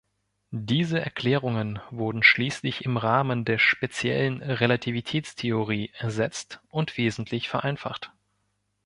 Diese Erklärungen wurden schließlich im Rahmen der speziellen Relativitätstheorie ersetzt und wesentlich vereinfacht.